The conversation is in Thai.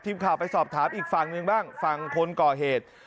ทีมข่าวไปสอบถามอีกฝั่งหนึ่งบ้างฝั่งคนก่อเหตุ